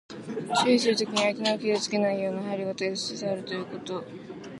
注意するときに、相手を傷つけないような配慮が大切であるということ。